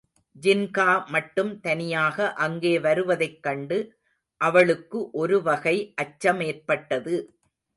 ஜின்கா மட்டும் தனியாக அங்கே வருவதைக் கண்டு அவளுக்கு ஒருவகை அச்சமேற்பட்டது.